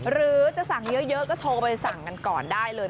หรือจะสั่งเยอะก็โทรไปสั่งกันก่อนได้เลย